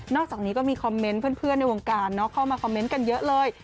อกจากนี้ก็มีคอมเมนต์เพื่อนในวงการเข้ามาคอมเมนต์กันเยอะเลย